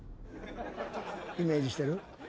イメージしてる？